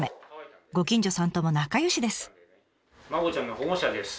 ご近所さんとも仲よしです。